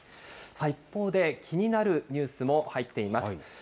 一方で、気になるニュースも入っています。